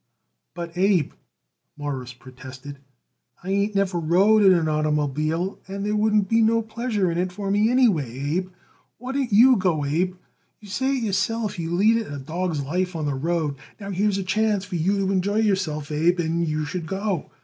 "But, Abe," Morris protested, "I ain't never rode in an oitermobile, and there wouldn't be no pleasure in it for me, Abe. Why don't you go, Abe? You say it yourself you lead it a dawg's life on the road. Now, here's a chance for you to enjoy yourself, Abe, and you should go.